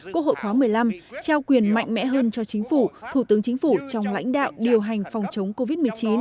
quốc hội khóa một mươi năm trao quyền mạnh mẽ hơn cho chính phủ thủ tướng chính phủ trong lãnh đạo điều hành phòng chống covid một mươi chín